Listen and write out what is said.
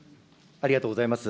ありがとうございます。